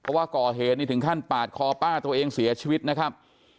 เพราะว่าก่อเหตุนี่ถึงขั้นปาดคอป้าตัวเองเสียชีวิตนะครับ